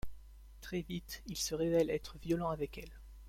Très vite, il se révèle être violent avec elle.